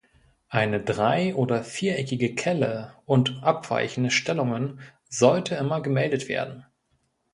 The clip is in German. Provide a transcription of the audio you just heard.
Eine drei- oder viereckige Kelle und abweichende Stellungen sollte immer gemeldet werden.